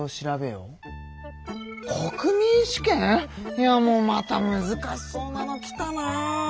いやもうまたむずかしそうなのきたなあ。